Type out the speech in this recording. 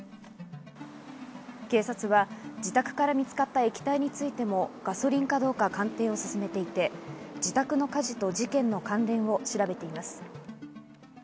警察は自宅から見つかった液体についてもガソリンかどうか鑑定を進めていて、自宅の火事と事件の関連を調べています。